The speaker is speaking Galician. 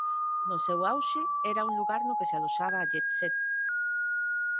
No seu auxe, era un lugar no que se aloxaba a jet set...